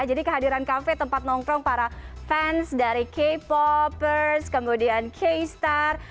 jadi kehadiran kafe tempat nongkrong para fans dari k popers kemudian k star